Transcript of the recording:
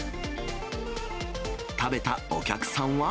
食べたお客さんは？